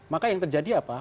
maka yang terjadi apa